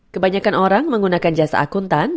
kebanyakan orang menggunakan jasa akuntan